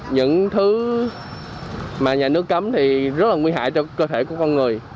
những thứ mà nhà nước cấm thì rất là nguy hại cho cơ thể của con người